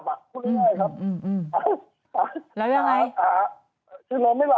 ผมจะรอไม่หลับ